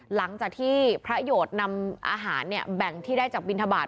หลังจากที่พระโยชน์นำอาหารแบ่งที่ได้จากบินทบาท